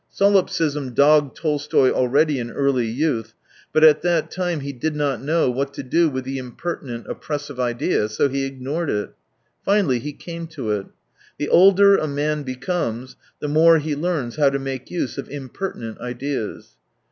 Sollipsism dogged Tolstoy already in early youth, but at that time he did not know what to do with the impertinent, oppres sive idea, so he ignored it. Finally, he came to it. The older a man becomes, the more he learns how to make use of imper tinent ideas.